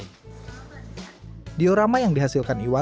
diorama yang dihasilkan diorama ini adalah diorama yang dihasilkan di rumah saya